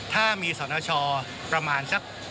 ถ้ามีสนชประมาณสัก